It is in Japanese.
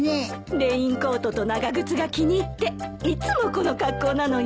レインコートと長靴が気に入っていつもこの格好なのよ。